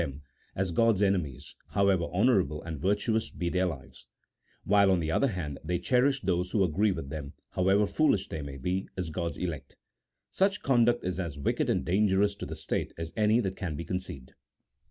183 them, as God's enemies, however honourable and virtuous be their lives ; while, on the other hand, they cherish those who agree with them, however foolish they may be, as God's elect. Such conduct is as wicked and dangerous to the state as any that can be conceived.